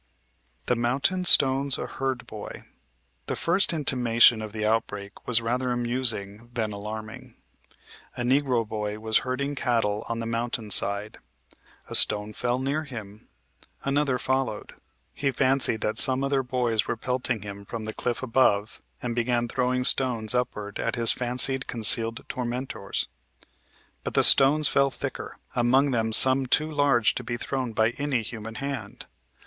THE MOUNTAIN STONES A HERD BOY The first intimation of the outbreak was rather amusing than alarming. A negro boy was herding cattle on the mountain side. A stone fell near him. Another followed. He fancied that some other boys were pelting him from the cliff above, and began throwing stones upward at his fancied concealed tormentors. But the stones fell thicker, among them some too large to be thrown by any human hand.